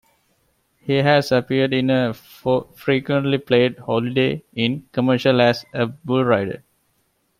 He has appeared in a frequently played Holiday Inn commercial as a bull rider.